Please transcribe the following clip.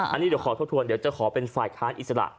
อันนี้เดี๋ยวขอทบทวนเดี๋ยวจะขอเป็นฝ่ายค้านอิสระ